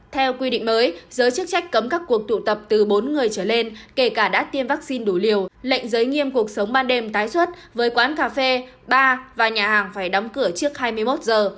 theo quy định mới giới chức trách cấm các cuộc tụ tập từ bốn người trở lên kể cả đã tiêm vaccine đủ liều lệnh giới nghiêm cuộc sống ban đêm tái xuất với quán cà phê ba và nhà hàng phải đóng cửa trước hai mươi một giờ